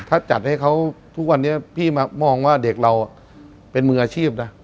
ถ้าจัดให้เขาทุกวันนี้พี่มองว่าเด็กเราเป็นมืออาชีพนะ